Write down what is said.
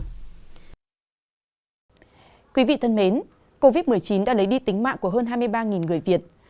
thưa quý vị thân mến covid một mươi chín đã lấy đi tính mạng của hơn hai mươi ba người việt